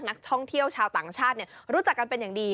นักท่องเที่ยวชาวต่างชาติรู้จักกันเป็นอย่างดี